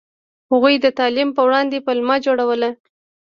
هغوی د تعلیم په وړاندې پلمه جوړوله.